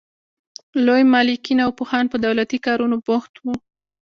لوی مالکین او پوهان په دولتي کارونو بوخت وو.